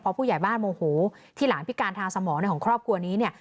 ผู้ใหญ่บ้านโมโหที่หลานพิการทางสมองของครอบครัวนี้เนี่ย